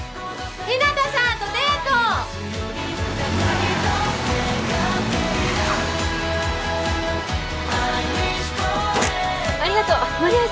日向さんとデートありがとう間に合い